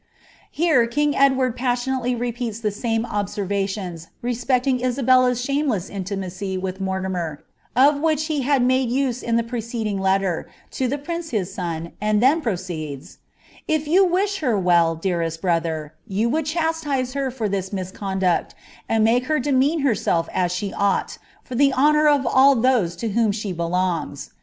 B king Edward passionately repeats the same observations respect tbella's shameless intimacy with Mortimer, of which he had made the preceding letter to the prince his son, and then proceeds : fOQ wished her well, dearest brother, you would chastise her for this mis ty and make her demean herself as she ought, for the honour of all those tn she belongs.